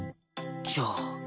じゃあ。